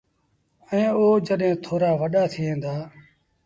ائيٚݩ او جڏهيݩ ٿورآ وڏآ ٿيٚن دآ۔